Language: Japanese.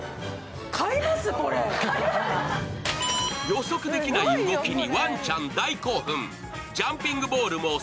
予測できない動きにワンちゃん大興奮。